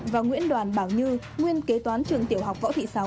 và nguyễn đoàn bảo như nguyên kế toán trường tiểu học võ thị sáu